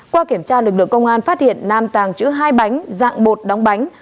qua kiểm tra lực lượng công an phát hiện nam tàng trữ hai bánh dạng bột đóng bánh